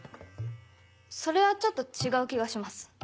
それはちょっと違う気がします。